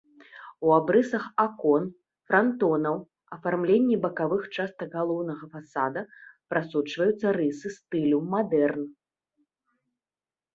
У абрысах акон, франтонаў, афармленні бакавых частак галоўнага фасада прасочваюцца рысы стылю мадэрн.